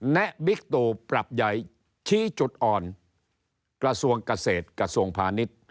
แตะบิ๊กตูปรับใหญ่ชี้จุดอ่อนกระทรวงเกษตรกระทรวงพาณิชย์